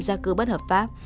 gia cư bất hợp pháp